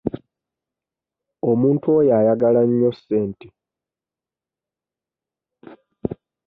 Omuntu oyo ayagala nnyo ssente.